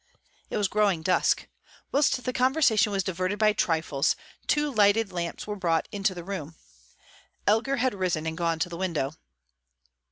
It was growing dusk. Whilst the conversation was diverted by trifles, two lighted lamps were brought into the room. Elgar had risen and gone to the window.